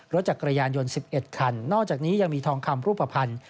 รถจักรยานยนต์๑๑คันนอกจากนี้ยังมีทองคำรูปภัณฑ์